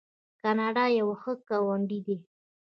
کاناډا یو ښه ګاونډی دی.